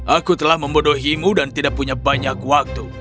aku telah membodohimu dan tidak punya banyak waktu